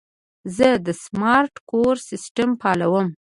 زه د سمارټ کور سیسټم فعالوم.